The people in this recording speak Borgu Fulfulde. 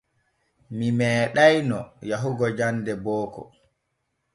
Mi meeɗayno yahugo jande booko.